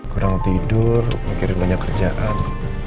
kurang tidur mikirin banyak kerjaan